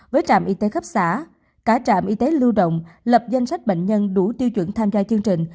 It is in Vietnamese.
với trạm y tế khắp xã cả trạm y tế lưu động lập danh sách bệnh nhân đủ tiêu chuẩn tham gia chương trình